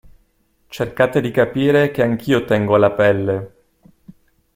Cercate di capire che anch'io tengo alla pelle.